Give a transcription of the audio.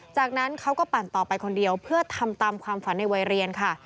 จากนั้นเขาก็ปั่นต่อไปคนเดียวเพื่อทำตามความฝันในวัยเรียนค่ะ